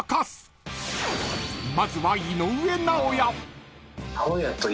［まずは井上尚弥］